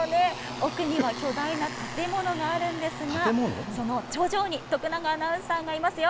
奥には巨大な建物があるんですが、その頂上に、徳永アナウンサーがいますよ。